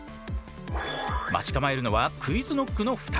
待ち構えるのはＱｕｉｚＫｎｏｃｋの２人。